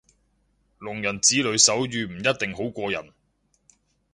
聾人子女手語唔一定好過人